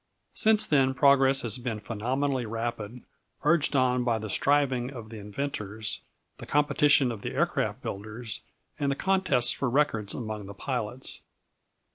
Since then, progress has been phenomenally rapid, urged on by the striving of the inventors, the competition of the aircraft builders, and the contests for records among the pilots.